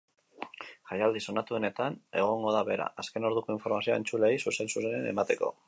Jaialdi sonatuenetan egongo da bera, azken orduko informazioa entzuleei zuzen-zuzenean emateko.